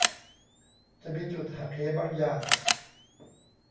จะมีจุดหักเหบางอย่าง